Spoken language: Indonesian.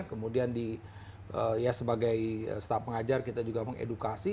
kemudian di ya sebagai staf pengajar kita juga mengedukasi